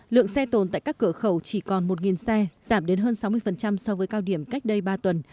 lượng xe tồn tại các cửa khẩu chỉ còn một xe giảm đến hơn sáu mươi so với cao điểm cách đây ba tuần